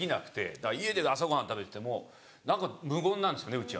だから家で朝ご飯食べてても何か無言なんですよねうちはね。